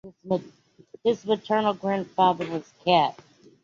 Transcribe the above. His maternal grandfather was Capt.